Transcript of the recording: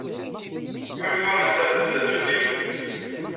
Ḥulfaɣ-as terfed taduli-w.